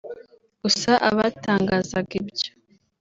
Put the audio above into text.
Gusa abatangazaga ibyo